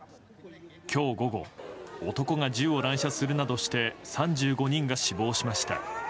今日午後男が銃を乱射するなどして３５人が死亡しました。